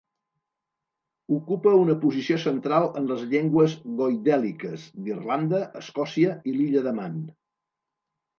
Ocupa una posició central en les llengües goidèliques d'Irlanda, Escòcia i l'Illa de Man.